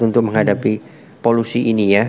untuk menghadapi polusi ini ya